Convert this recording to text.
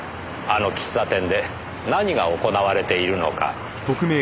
あの喫茶店で何が行われているのか。